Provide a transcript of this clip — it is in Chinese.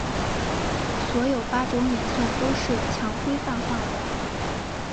所有八种演算都是强规范化的。